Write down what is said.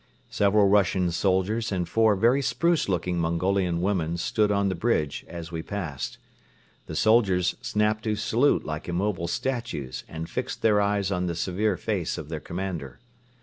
Several Russian soldiers and four very spruce looking Mongolian women stood on the bridge as we passed. The soldiers snapped to salute like immobile statues and fixed their eyes on the severe face of their Commander.